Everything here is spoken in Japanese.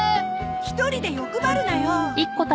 １人で欲張るなよ！